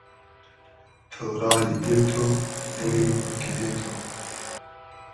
تۉرای دیل تو ، دیلی پور کیدې تو